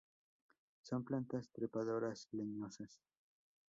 Son plantas trepadoras, leñosas.